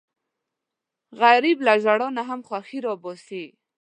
غریب له ژړا نه هم خوښي راوباسي